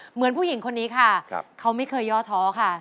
เหมือนผู้หญิงคนนี้ค่ะเขาไม่เคยย่อท้อค่ะ